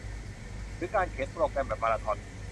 หรือการเขียนโปรแกรมแบบมาราธอน